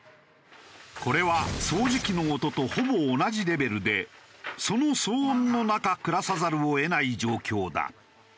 これは掃除機の音とほぼ同じレベルでその騒音の中暮らさざるを得ない状況だ。